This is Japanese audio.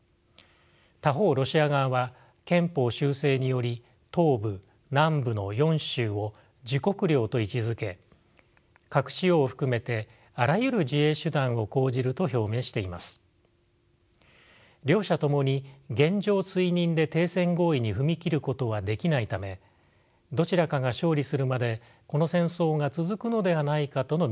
他方ロシア側は憲法修正により東部南部の４州を自国領と位置づけ核使用を含めてあらゆる自衛手段を講じると表明しています。両者ともに現状追認で停戦合意に踏み切ることはできないためどちらかが勝利するまでこの戦争が続くのではないかとの見方も出ています。